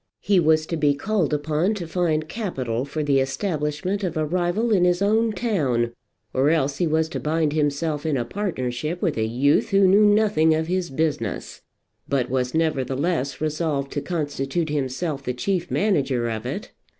He was to be called upon to find capital for the establishment of a rival in his own town, or else he was to bind himself in a partnership with a youth who knew nothing of his business, but was nevertheless resolved to constitute himself the chief manager of it!